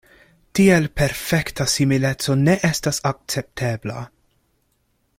Tiel perfekta simileco ne estas akceptebla.